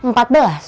baru empat belas